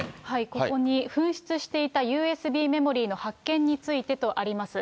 ここに、紛失していたＵＳＢメモリの発見についてとあります。